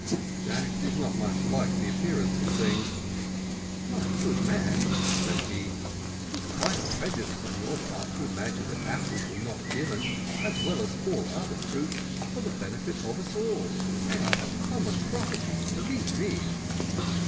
Jack did not much like the appearance of things. "My good man," said he, "it is quite a prejudice on your part to imagine that apples were not given, as well as all other fruit, for the benefit of us all they are common property, believe me."